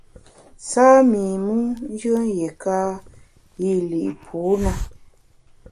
Sâ mi mu njùen yiéka yî li’ pû na.